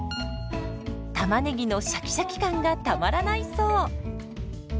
たまねぎのシャキシャキ感がたまらないそう。